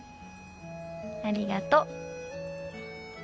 ありがと。